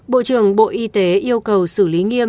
bộ trưởng bộ y tế yêu cầu xử lý nghiêm